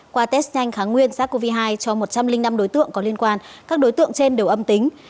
qua test nhanh kháng nguyên sars cov hai cho một trăm linh năm đối tượng có liên quan các đối tượng trên đều âm tính